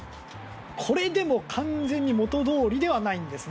これでも完全に元どおりではないんですね。